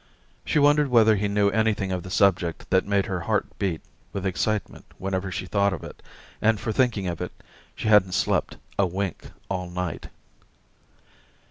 She wondered whether he knew anything of the subject which made her heart beat with excitement whenever she thought of it, and for thinking of it she hadn't slept a wink all night.